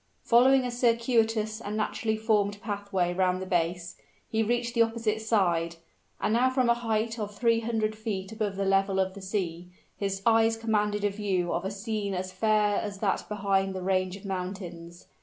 Following a circuitous and naturally formed pathway round the base, he reached the opposite side; and now from a height of three hundred feet above the level of the sea, his eyes commanded a view of a scene as fair as that behind the range of mountains.